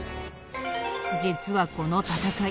実はこの戦い